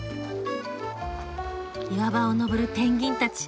岩場を登るペンギンたち。